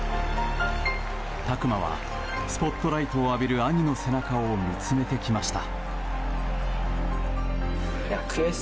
拓真はスポットライトを浴びる兄の背中を見つめ続けてきました。